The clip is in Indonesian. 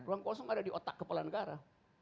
ruang kosong ada di otak kepala negara